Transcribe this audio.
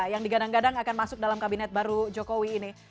yang digadang gadang akan masuk dalam kabinet baru jokowi ini